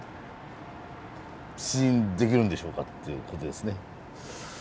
試飲できるんでしょうかっていうことですね。